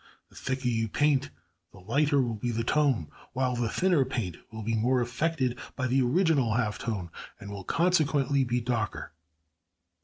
The thicker you paint the lighter will be the tone, while the thinner paint will be more affected by the original half tone, and will consequently be darker.